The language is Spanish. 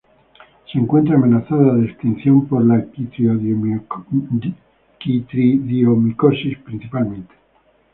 Se encuentra amenazada de extinción por la quitridiomicosis principalmente.